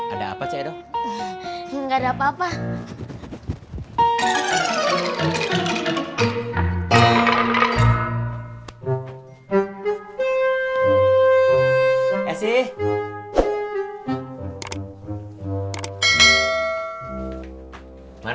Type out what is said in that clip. ada apa cedo enggak ada apa apa